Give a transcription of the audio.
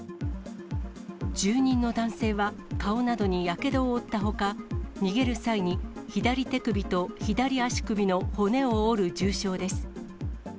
住人の男性は顔などにやけどを負ったほか、逃げる際に、左手首と左足首の骨を折る重傷です。